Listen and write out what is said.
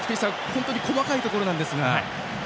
本当に細かいところなんですが。